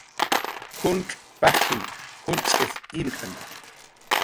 Juncx' pajshin junch'is imktna